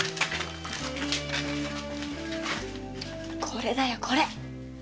これだよこれ！